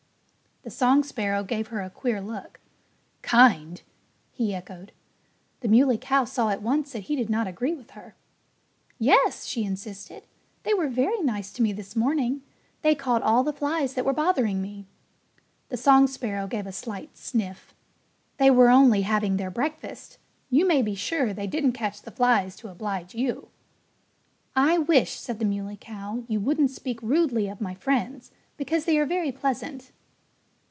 The song sparrow gave her a queer look. "Kind!" he echoed. The Muley Cow saw at once that he did not agree with her. "Yes!" she insisted. "They were very nice to me this morning. They caught all the flies that were bothering me." The song sparrow gave a slight sniff. "They were only having their breakfast. You may be sure that they didn't catch the flies to oblige you." "I wish," said the Muley Cow, "you wouldn't speak rudely of my friends, because they are very pleasant."